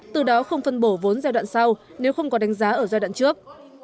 từ đó không phân bổ vốn giai đoạn sau nếu không có đánh giá ở giai đoạn trước